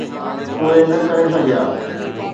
اهي نه ڪري سگهيا.